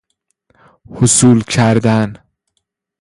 حصول کردن